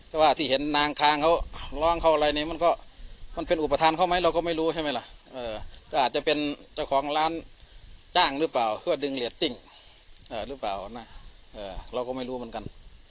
หรือเปล่านะเราก็ไม่รู้เหมือนกัน